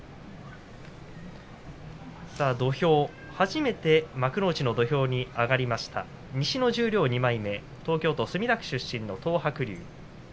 土俵は初めて幕内の土俵に上がりました西の十両２枚目東京都墨田区出身の東白龍。